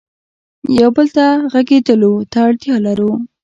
یو بل ته غږېدلو ته اړتیا لرو.